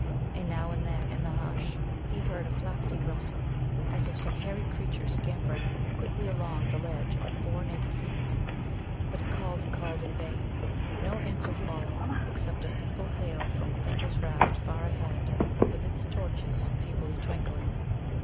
And now and then in the hush he heard a flappity rustle, as of some hairy creature scampering quickly along the ledge on four naked feet. But he called and called in vain. No answer followed, except a feeble hail from Thimble's raft far ahead, with its torches feebly twinkling.